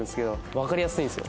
わかりやすいんですよ。